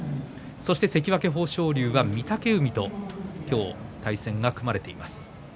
そして、関脇豊昇龍が御嶽海と今日対戦が組まれています。